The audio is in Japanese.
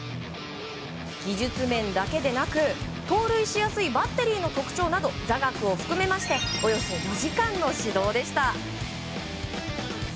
技術面だけでなく、盗塁しやすいバッテリーの特徴など座学を含めましておよそ４時間の指導でした。